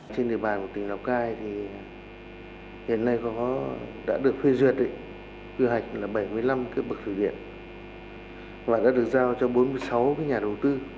trên địa bàn của tỉnh lào cai thì hiện nay đã được phê duyệt quy hoạch là bảy mươi năm cái bậc thủy điện và đã được giao cho bốn mươi sáu nhà đầu tư